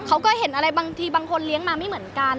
เขาก็เห็นอะไรบางทีบางคนเลี้ยงมาไม่เหมือนกัน